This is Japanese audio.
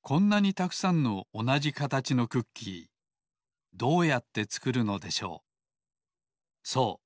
こんなにたくさんのおなじかたちのクッキーどうやってつくるのでしょう。